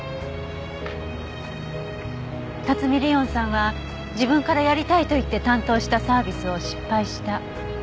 辰見莉音さんは自分からやりたいと言って担当したサービスを失敗した。